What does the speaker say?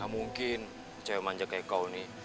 gak mungkin cewek manja kayak kau ini